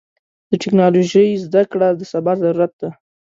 د ټکنالوژۍ زدهکړه د سبا ضرورت ده.